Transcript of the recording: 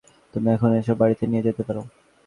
তুমি এখনই এসব বাড়িতে নিয়ে যেতে পারো।